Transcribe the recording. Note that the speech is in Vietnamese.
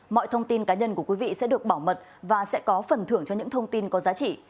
mọi thông tin cá nhân của quý vị sẽ được bảo mật và sẽ có phần thưởng cho những thông tin có giá trị